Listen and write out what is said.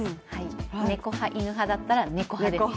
猫派、犬派閥だったら猫派です。